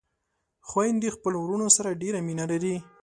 خويندې خپلو وروڼو سره ډېره مينه لري